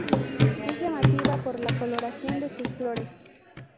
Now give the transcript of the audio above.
Es llamativa por la coloración de sus flores.